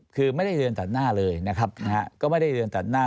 คือไม่ได้เดินตัดหน้าเลยนะครับนะฮะก็ไม่ได้เดินตัดหน้า